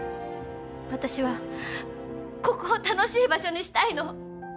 私はここを楽しい場所にしたいの。